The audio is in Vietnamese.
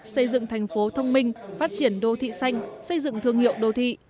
xây dựng thành phố thông minh phát triển đô thị xanh xây dựng thương hiệu đô thị